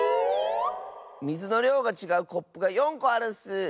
みずのりょうがちがうコップが４こあるッス。